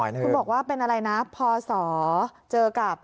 คุณบอกว่าเป็นอะไรนะพศเจอกับ